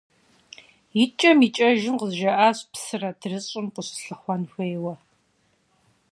ИкӀэм-икӀэжым къызжаӀащ псы адрыщӀым къыщыслъыхъуэн хуейуэ.